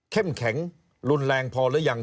แข็งรุนแรงพอหรือยัง